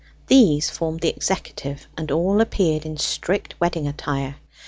These formed the executive, and all appeared in strict wedding attire.